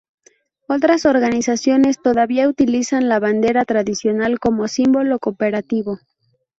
Otras organizaciones todavía utilizan la bandera tradicional como símbolo cooperativo.